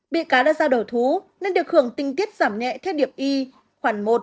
bị cáo đã ra đổ thú nên được hưởng tinh tiết giảm nhẹ theo điệp y khoản một